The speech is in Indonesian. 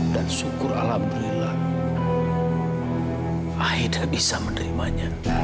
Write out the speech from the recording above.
dan syukur allah berilah aida bisa menerimanya